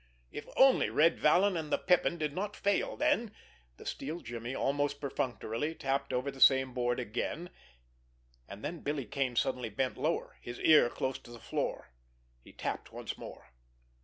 If only Red Vallon and the Pippin did not fail, then— The steel jimmy, almost perfunctorily, tapped over the same board again; and then Billy Kane suddenly bent lower, his ear close to the floor. He tapped once more.